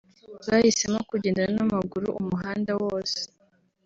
Bahisemo kugenda n’amaguru umuhanda wose